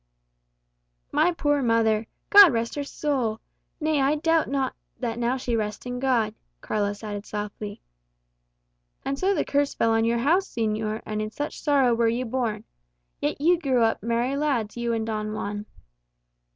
"My poor mother God rest her soul! Nay, I doubt not that now she rests in God," Carlos added, softly. "And so the curse fell on your house, señor; and in such sorrow were you born. Yet you grew up merry lads, you and Don Juan."